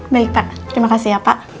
baik pak terima kasih ya pak